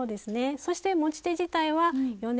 そして持ち手自体はよね